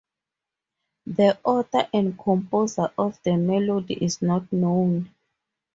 The author and composer of the melody is not known.